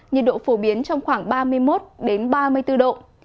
nhiệt độ phổ biến trong khoảng ba mươi một ba mươi bốn độ